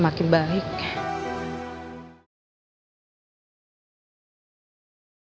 learnin udah gimana